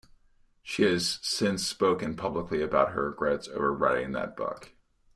She has since spoken publicly about her regrets over writing that book.